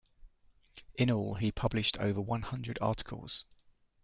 In all, he published over one hundred articles.